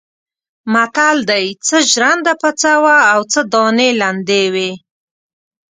متل دی: څه ژرنده پڅه وه او څه دانې لندې وې.